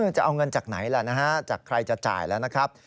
จะเอาเงินจากไหนล่ะนะฮะจากใครจะจ่ายแล้วนะครับ